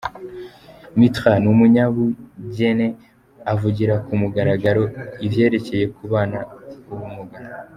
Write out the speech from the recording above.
Mitra ni umunyabugenegene avugira ku mugaragaro ivyerekeye kubana ubumuga.